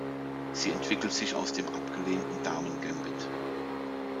Sie entwickelt sich aus dem Abgelehnten Damengambit.